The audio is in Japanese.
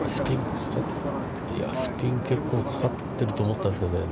スピン結構かかってると思ったんですけどね。